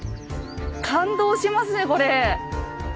感動しますねこれ。